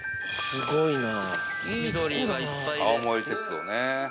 すごいな。